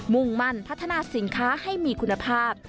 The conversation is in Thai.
มุ่งมั่นพัฒนาสินค้าให้มีคุณภาพ